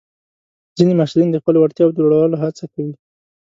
ځینې محصلین د خپلو وړتیاوو د لوړولو هڅه کوي.